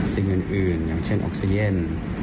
สิ่งอื่นอย่างเช่นออกซีเย็น